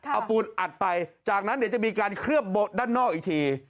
เอาปูนอัดไปจากนั้นเดี๋ยวจะมีการเคลือบด้านนอกอีกที